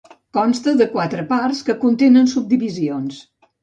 Consta de quatre parts, que contenen subdivisions.